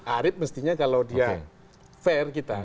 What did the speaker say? arief mestinya kalau dia fair kita